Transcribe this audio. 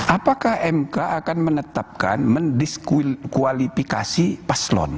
apakah mk akan menetapkan mendiskualifikasi paslon